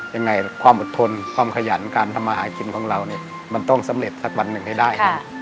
ยังไงความอดทนความขยันการทำมาหากินของเราเนี่ยมันต้องสำเร็จสักวันหนึ่งให้ได้